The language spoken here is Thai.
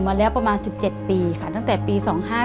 มาแล้วประมาณ๑๗ปีค่ะตั้งแต่ปี๒๕๕๙